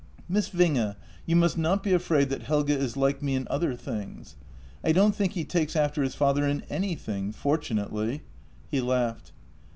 " Miss Winge, you must not be afraid that Helge is like me in other things. I don't think he takes after his father in any thing — fortunately." He laughed.